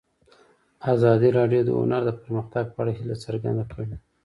ازادي راډیو د هنر د پرمختګ په اړه هیله څرګنده کړې.